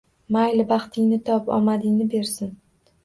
Mayli, baxtingni top, omadingni bersin...